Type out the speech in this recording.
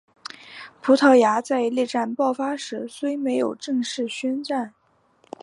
葡萄牙在内战爆发时虽没有正式宣战。